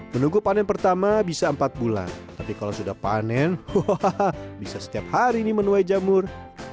menunggu panen pertama bisa empat bulan tapi kalau sudah panen bisa setiap hari ini menuai jamur